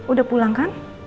udah pulang kan